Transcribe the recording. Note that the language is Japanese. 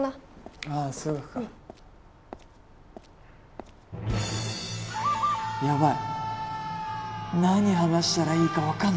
やばい何話したらいいか分かんない。